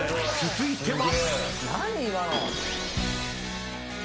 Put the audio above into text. ［続いては］